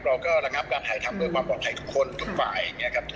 ระงับการถ่ายทำเพื่อความปลอดภัยทุกคนทุกฝ่ายอย่างนี้ครับ